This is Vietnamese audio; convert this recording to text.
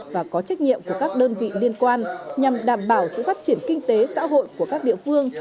và có trách nhiệm của các đơn vị liên quan nhằm đảm bảo sự phát triển kinh tế xã hội của các địa phương